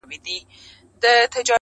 • زه به مي غزل ته عاطفې د سایل واغوندم..